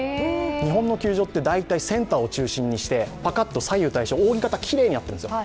日本の球場って大体センターを中心にしてパカッと左右対称、扇形、きれいになってるんですよ。